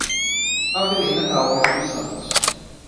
Avelina Alves do Santos